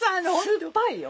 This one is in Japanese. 酸っぱいよ。